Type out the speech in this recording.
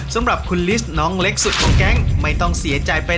ตักได้เท่าไร